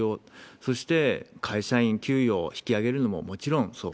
そして会社員給与を引き上げるのももちろんそう。